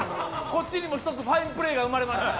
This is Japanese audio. こっちにも１つファインプレーが生まれました。